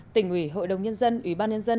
tỉnh ủy hội đồng nhân dân ủy ban nhân dân